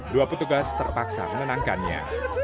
dua petugas terpaksa menenangkannya